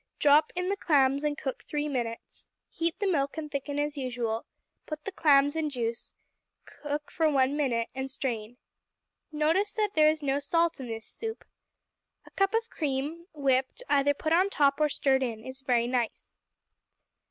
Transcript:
Drop in the clams and cook three minutes. Heat the milk and thicken as usual; put in the clams and juice, cook for one minute, and strain. Notice that there is no salt in this soup. A cup of cream, whipped, either put on top or stirred in, is very nice.